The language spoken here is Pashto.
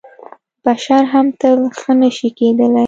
بشر هم تل ښه نه شي کېدلی .